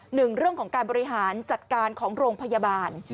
หนึ่งเรื่องของการบริหารจัดการของโรงพยาบาล